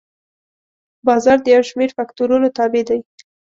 بازار د یو شمېر فکتورونو تابع دی.